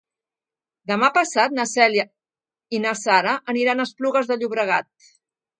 Demà passat na Cèlia i na Sara aniran a Esplugues de Llobregat.